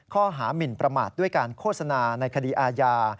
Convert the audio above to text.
หมินประมาทด้วยการโฆษณาในคดีอาญา